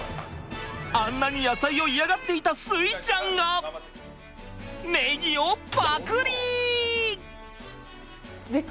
あんなに野菜を嫌がっていた穂ちゃんがねぎをパクリ！